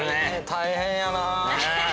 大変やなぁ。